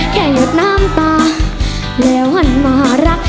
ก็ยอมตอนเข้ามาหงอ